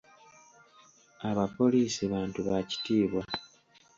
Abapoliisi bantu ba kitiibwa.